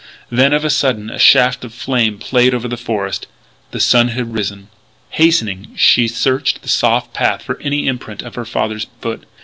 Then, of a sudden, a shaft of flame played over the forest. The sun had risen. Hastening, she searched the soft path for any imprint of her father's foot.